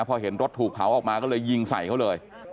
พอเห็นรถถูกเผาออกมาก็เลยยิงใส่เขาเลย